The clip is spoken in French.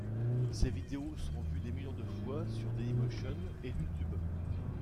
Ces vidéos sont vues des millions de fois sur Dailymotion et YouTube.